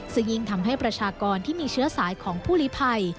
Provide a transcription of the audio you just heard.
ซึ่งยิ่งทำให้ประชากรที่มีเชื้อสายของผู้ลิภัย